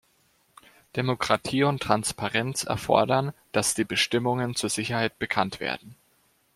Demokratie und Transparenz erfordern, dass die Bestimmungen zur Sicherheit bekannt werden.